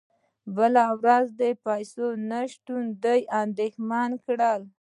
بله ورځ د پیسو نشتون دوی اندیښمن کړل